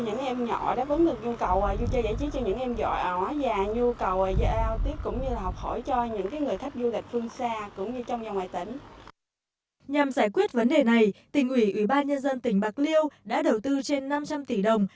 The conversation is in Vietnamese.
nhằm giải quyết vấn đề này tỉnh ủy ủy ban nhân dân tỉnh bạc liêu đã đầu tư trên năm trăm linh tỷ đồng